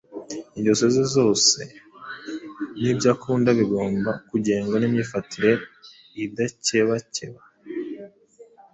ingeso ze zose n’ibyo akunda bigomba kugengwa n’imyifatire idakebakeba.